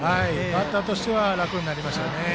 バッターとしては楽になりましたね。